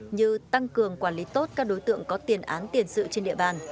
như tăng cường quản lý tốt các đối tượng có tiền án tiền sự trên địa bàn